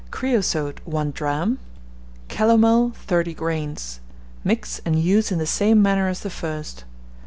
creosote 1 drachm; calomel 30 grains: mix and use in the same manner as the first.